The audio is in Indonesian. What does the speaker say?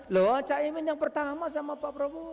loh caimin yang pertama sama pak prabowo